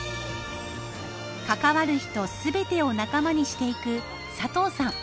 関わる人全てを仲間にしていく佐藤さん。